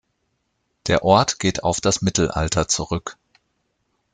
Der Ort geht auf das Mittelalter zurück.